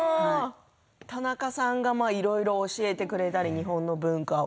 タナカさんがいろいろ教えてくれたり、日本の文化を。